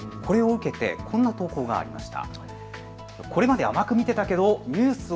これを受けてこんな投稿がありました。